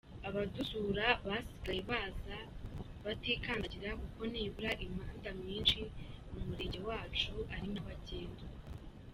Abadusura basigaye baza batikandagira kuko nibura imihanda myinshi mu Murenge wacu ari nyabagendwa.